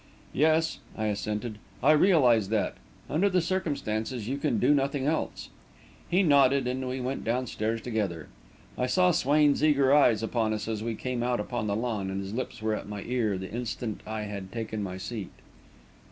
"Yes," I assented. "I realise that. Under the circumstances, you can do nothing else." He nodded, and we went downstairs together. I saw Swain's eager eyes upon us as we came out upon the lawn, and his lips were at my ear the instant I had taken my seat.